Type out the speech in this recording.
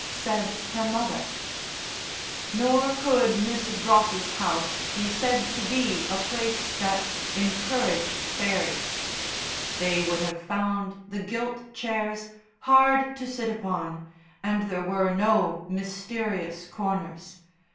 said her mother. Nor could Mrs. Ross's house be said to be a place that encouraged fairies. They would have found the gilt chairs hard to sit upon, and there were no mysterious corners.